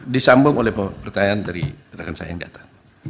disambung oleh pertanyaan dari rekan saya yang datang